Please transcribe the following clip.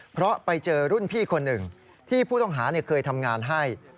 เพราะไปเจอรุ่นพี่คนหนึ่งที่ผู้ต้องหาเคยทำงานให้